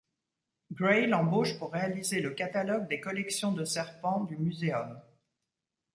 Gray l'embauche pour réaliser le catalogue des collections de serpents du muséum.